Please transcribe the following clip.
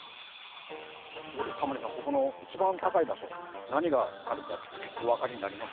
ところでここの一番高い場所何があるかお分かりになります？